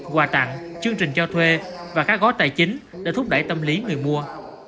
quà tặng chương trình cho thuê và các gói tài chính để thúc đẩy tâm lý người mua